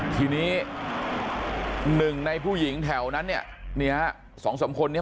ทีนี้๑ในผู้หญิงแถวนั้นเนี่ยนี่ฮะ๒๓คนนี้